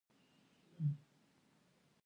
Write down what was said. چې په نیویارک کې جنسي کاروبار کوي